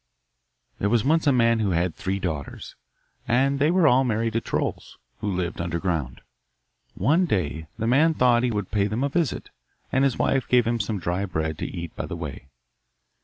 There was once a man who had three daughters, and they were all married to trolls, who lived underground. One day the man thought that he would pay them a visit, and his wife gave him some dry bread to eat by the way.